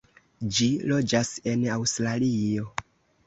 Ĝi loĝas en Aŭstralio.